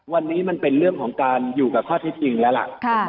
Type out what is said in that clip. วันนี้มันเป็นเรื่องของการอยู่กับข้อที่จริงแล้วล่ะ